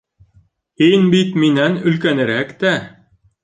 Һин бит минән өлкәнерәк тә.